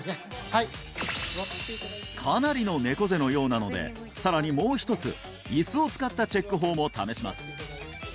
はいかなりの猫背のようなのでさらにもう一つ椅子を使ったチェック法も試します